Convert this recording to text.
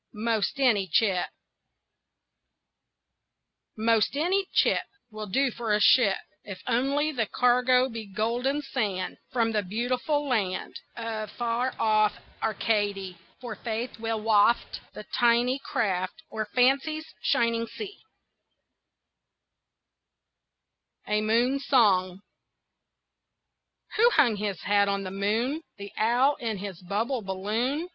'MOST ANY CHIP 'Most any chip Will do for a ship, If only the cargo be Golden sand From the beautiful land Of far off Arcady. For faith will waft The tiny craft O'er Fancy's shining sea. A MOON SONG Who hung his hat on the moon? The owl in his bubble balloon.